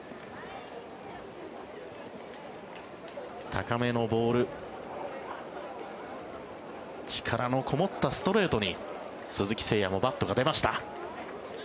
高めのボール力のこもったストレートに鈴木誠也もバットが出ました。